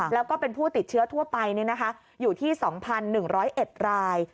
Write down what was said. แล้วก็เป็นผู้ติดเชื้อทั่วไปอยู่ที่๒๑๐๑ราย